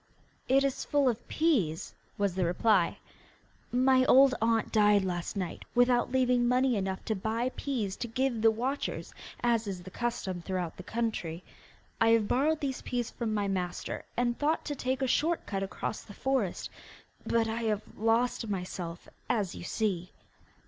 'It is full of peas,' was the reply. 'My old aunt died last night, without leaving money enough to buy peas to give the watchers, as is the custom throughout the country. I have borrowed these peas from my master, and thought to take a short cut across the forest; but I have lost myself, as you see.